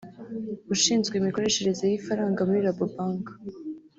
ushinzwe Imikoreshereze y’Ifaranga muri Rabobank